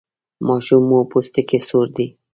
ماشوم مو پوستکی سور دی؟